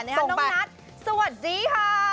สวัสดีค่ะ